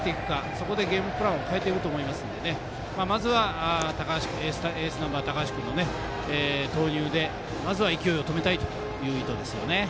そこでゲームプランを変えていくと思いますのでまずはエースナンバー、高橋君の投入でまずは勢いを止めたいという意図ですよね。